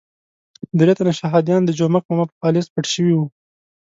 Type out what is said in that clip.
درې تنه شهادیان د جومک ماما په پالیز پټ شوي وو.